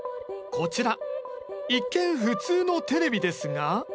こちら一見普通のテレビですが。